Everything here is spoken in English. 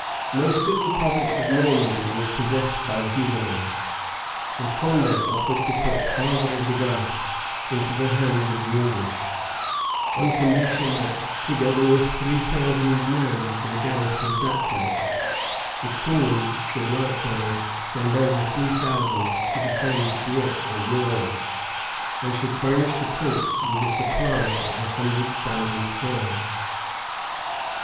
Most of the province of Normandy was possessed by the Hugonots: and Condé offered to put Havre de Grace into the hands of the English; on condition that, together with three thousand man for the garrison of that place, the queen should likewise send over three thousand to defend Dieppe and Rouen, and should furnish the prince with a supply of a hundred thousand crowns.